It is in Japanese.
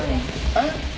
えっ？